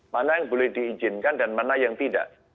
mana yang boleh diizinkan dan mana yang tidak